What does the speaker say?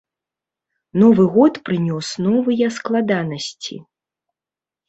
Новы год прынёс новыя складанасці.